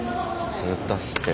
ずっと走ってる。